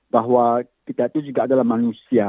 bahwa kita itu juga adalah manusia